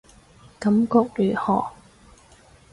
感覺如何